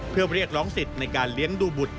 เพื่อเรียกร้องสิทธิ์ในการเลี้ยงดูบุตร